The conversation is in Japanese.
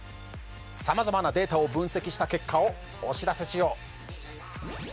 さまざまなデータを分析した結果をお知らせしよう。